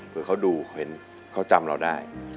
เผื่อเขาดูเขาเห็นเขาจำเราได้